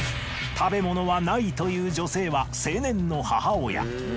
食べ物はないという女性は青年の母親。